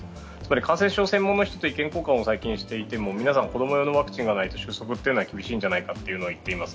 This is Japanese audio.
感染症専門の人と意見交換を最近していても皆さん子供用のワクチンがないと収束は厳しいんじゃないかと言っています。